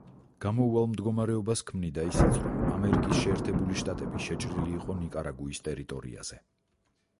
გამოუვალ მდგომარეობას ქმნიდა ისიც, რომ ამერიკის შეერთებული შტატები შეჭრილი იყო ნიკარაგუის ტერიტორიაზე.